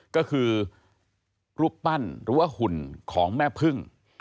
ก็คือรูปปั้นหรือว่าหุ่นของแม่พึ่ง